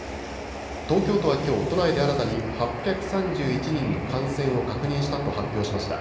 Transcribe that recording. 東京都はきょう、都内で新たに８３１人の感染を確認したと発表しました。